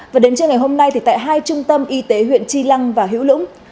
và đến trước ngày hôm nay tại hai trung tâm y tế huyện chi lăng và hữu lũng